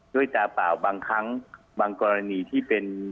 ด้วยตาเปล่าบางครั้งบางกรณีที่เป็น